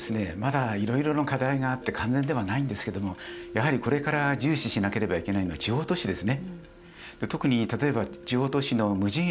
どういうところに都市部もいろんな課題があって完全ではないんですけれどもやはりこれから重視しなければいけないのは地方都市ですね。